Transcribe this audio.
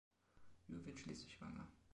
Yue wird schließlich schwanger.